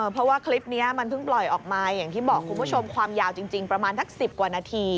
เพราะว่าคลิปนี้มันเพิ่งปล่อยออกมาอย่างที่บอกคุณผู้ชมความยาวจริงประมาณสัก๑๐กว่านาที